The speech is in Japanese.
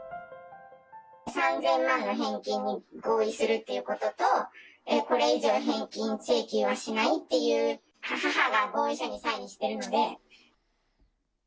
３０００万の返金に合意するということと、これ以上、返金請求はしないっていう、母が合意書にサインしてるので。